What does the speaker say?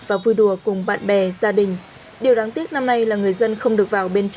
và vui đùa cùng bạn bè gia đình điều đáng tiếc năm nay là người dân không được vào bên trong